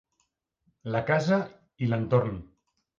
La casa i l'entorn